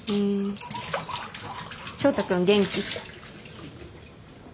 翔太君元気？